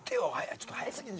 ちょっと早すぎる。